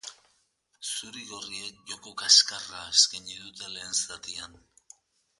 Zuri-gorriek joko kaskarra eskaini dute lehen zatian.